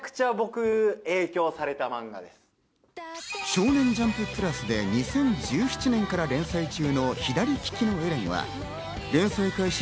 『少年ジャンプ＋』で２０１７年から連載中の『左ききのエレン』は連載開始